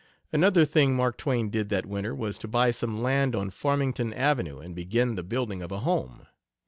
Another thing Mark Twain did that winter was to buy some land on Farmington Avenue and begin the building of a home.